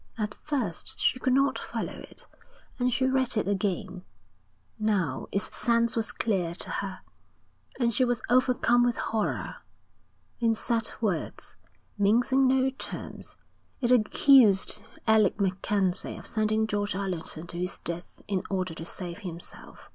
At first she could not follow it, and she read it again; now its sense was clear to her, and she was overcome with horror. In set words, mincing no terms, it accused Alec MacKenzie of sending George Allerton to his death in order to save himself.